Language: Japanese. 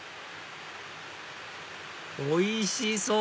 おいしそう！